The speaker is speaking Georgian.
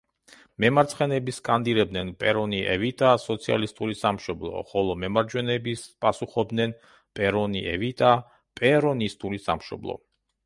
მემარცხენეები სკანდირებდნენ „პერონი, ევიტა, სოციალისტური სამშობლო“, ხოლო მემარჯვენეები პასუხობდნენ „პერონი, ევიტა, პერონისტული სამშობლო“.